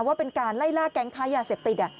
ว่าเป็นการไล่ล่าแก๊งค้ายาเสพติด